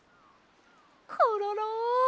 コロロ！